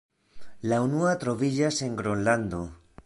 La unua troviĝas en Gronlando.